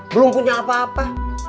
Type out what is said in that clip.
belum punya apa apa